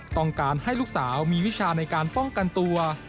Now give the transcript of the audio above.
ต้องการให้ลูกสาวมีวิชาในการป้องกันตัว